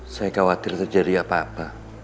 saya khawatir terjadi apa apa